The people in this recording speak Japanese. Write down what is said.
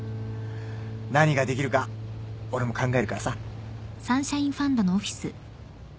何ができるか俺も考えるからさ